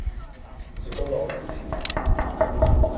雪糕糯米糍